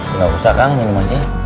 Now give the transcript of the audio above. nggak usah kang minum aja